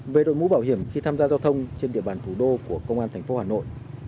về đội mũ bảo hiểm khi tham gia giao thông trên địa bàn thủ đô của công an thành phố hà nội